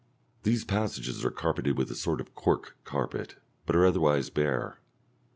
These passages are carpeted with a sort of cork carpet, but are otherwise bare.